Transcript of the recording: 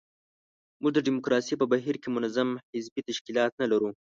موږ د ډیموکراسۍ په بهیر کې منظم حزبي تشکیلات نه لرو.